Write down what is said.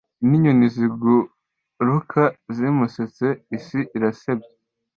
Ninyoni ziguruka zumuseke Isi irasebya